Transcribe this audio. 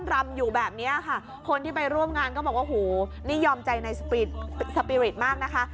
รำอยู่แบบนี้ค่ะคนที่ไปร่วมงานก็บอกว่าโหนี่ยอมใจในสปีริตมากนะคะ